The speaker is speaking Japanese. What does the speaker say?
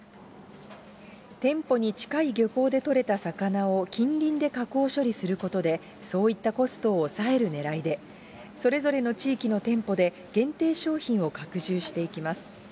店舗に近い漁港で取れた魚を近隣で加工処理することで、そういったコストを抑えるねらいで、それぞれの地域の店舗で、限定商品を拡充していきます。